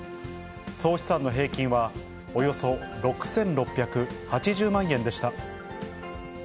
総資産の平均は、およそ６６８０万円でした。